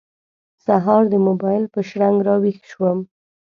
سهار د موبایل په شرنګ راوېښ شوم.